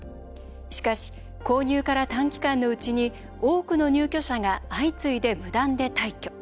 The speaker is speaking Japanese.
しかし、購入から短期間のうちに多くの入居者が相次いで無断で退去。